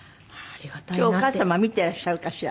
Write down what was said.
今日お母様見てらっしゃるかしら？